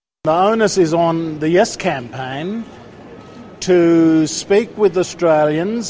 untuk berbicara dengan masyarakat australia